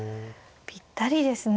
ぴったりですね。